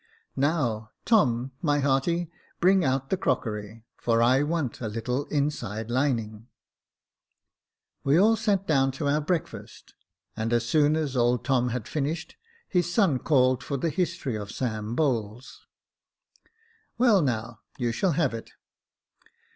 Now, Tom, my hearty, bring out the crockery, for I want a little inside lining." 92 Jacob Faithful We all sat down to our breakfast, and as soon as old Tom had finished, his son called for the history of Sam Bowles. " Well, now you shall have it.